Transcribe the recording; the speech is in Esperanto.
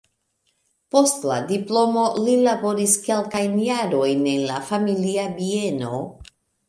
Post la diplomo li laboris kelkajn jarojn en la familia bieno.